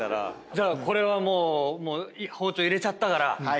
じゃあこれはもう包丁入れちゃったから。